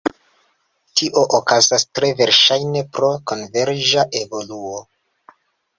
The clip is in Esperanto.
Tio okazas tre verŝajne pro konverĝa evoluo.